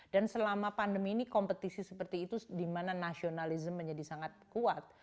dan selama pandemi ini kompetisi seperti itu dimana nasionalism menjadi sangat kuat